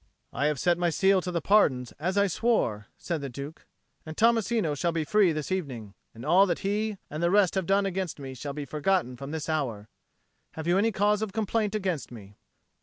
"I have set my seal to the pardons as I swore," said the Duke; "and Tommasino shall be free this evening; and all that he and the rest have done against me shall be forgotten from this hour. Have you any cause of complaint against me?"